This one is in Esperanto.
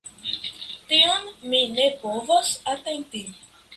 Tion mi ne povas atenti.